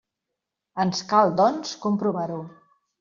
Ens cal, doncs, comprovar-ho.